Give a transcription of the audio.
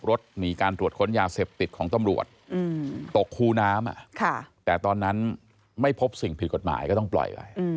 รถหนีการตรวจค้นยาเสพติดของตำรวจตกคูน้ำแต่ตอนนั้นไม่พบสิ่งผิดกฎหมายก็ต้องปล่อยไป